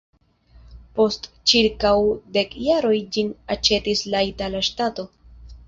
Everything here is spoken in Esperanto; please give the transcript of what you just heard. Post ĉirkaŭ dek jaroj ĝin aĉetis la itala ŝtato.